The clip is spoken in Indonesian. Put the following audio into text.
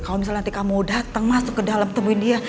kalau misalnya nanti kamu datang masuk ke dalam temuin dia